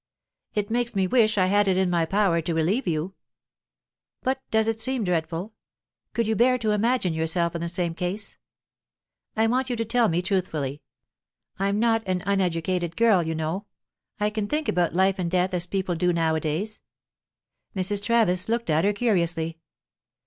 "It makes me wish I had it in my power to relieve you." "But does it seem dreadful? Could you bear to imagine yourself in the same case? I want you to tell me truthfully. I'm not an uneducated girl, you know; I can think about life and death as people do nowadays." Mrs. Travis looked at her curiously.